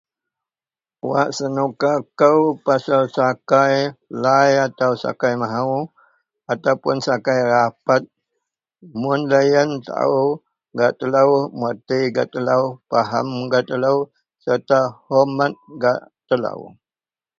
Wak senuka kou pasel sakai lai atau sakai mahou ataupuon sakai rapet mun loyen taao gak telo mengerti gak telo pahem gak telo serta hormet gak telo.